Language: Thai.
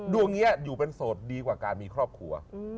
ดวงนี้อยู่เป็นโสดดีกว่าการมีครอบครัว